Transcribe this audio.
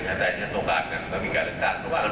มาทำไปได้กันไหนล่ะ